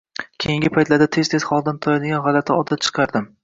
Keyingi paytda tez-tez holdan toyadigan gʼalati odat chiqardim.